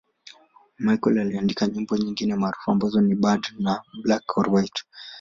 Michael aliandika nyimbo nyingine maarufu ambazo ni 'Bad' na 'Black or White'.